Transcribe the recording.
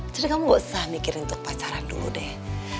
jadi kamu nggak usah mikirin untuk pacaran dulu deh